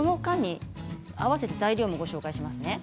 合わせて材料をご紹介します。